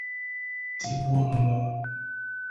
Tigbuo mmụọ